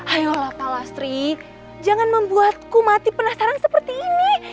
ayolah palastri jangan membuatku mati penasaran seperti ini